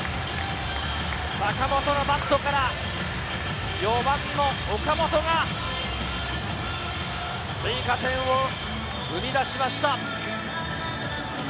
坂本のバットから４番の岡本が追加点を生み出しました。